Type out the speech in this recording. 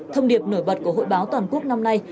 thông điệp nổi bật của hội báo toàn quốc năm nay